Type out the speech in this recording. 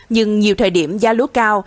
nhưng nhiều thời điểm giá lúa cao